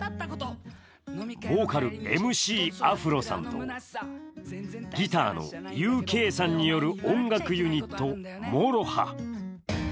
ボーカル、ＭＣ、アフロさんとギターのＵＫさんによる音楽ユニットＭＯＲＯＨＡ。